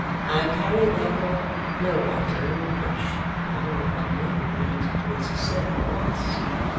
I carry, therefore, no writing which, found upon me, would lead to its certain loss.